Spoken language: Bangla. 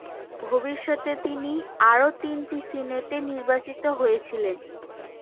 ভবিষ্যতে তিনি আরও তিনবার সিনেটে নির্বাচিত হয়েছিলেন।